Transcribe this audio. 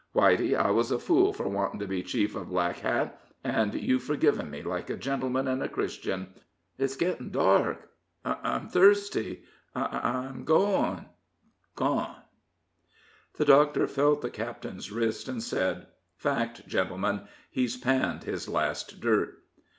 Whitey, I was a fool for wanting to be chief of Black Hat, and you've forgiven me like a gentleman and a Christian. It's getting dark I'm thirsty I'm going gone!" The doctor felt the captain's wrist, and said: "Fact, gentlemen, he's panned his last dirt."